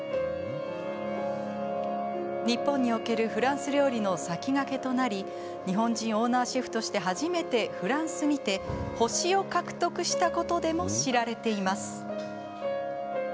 日本におけるフランス料理の先駆けとなり日本人オーナーシェフとして初めてフランスにて星を獲得したことでも知られています。